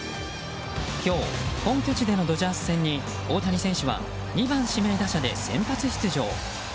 今日、本拠地でのドジャース戦に大谷選手は２番指名打者で先発出場。